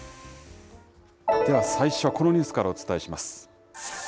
では最初はこのニュースからお伝えします。